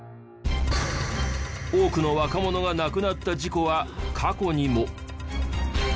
多くの若者が亡くなった事故は過去にも。